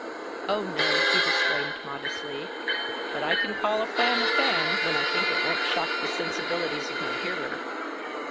"Oh, no," he disclaimed, modestly. "But I can call a fan a fan, when I think it won't shock the sensibilities of my hearer."